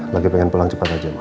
lagi pengen pulang cepat aja pak